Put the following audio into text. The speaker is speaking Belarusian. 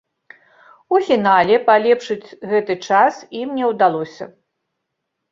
У фінале палепшыць гэты час ім не ўдалося.